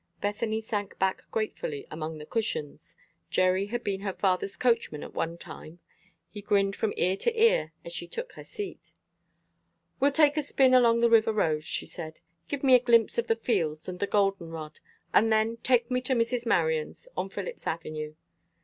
Bethany sank back gratefully among the cushions. Jerry had been her father's coachman at one time. He grinned from ear to ear as she took her seat. "We'll take a spin along the river road," she said. "Give me a glimpse of the fields and the golden rod, and then take me to Mrs. Marion's, on Phillips Avenue."